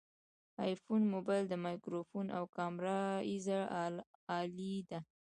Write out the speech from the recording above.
د آیفون مبایل مایکروفون او کامره ډیره عالي ده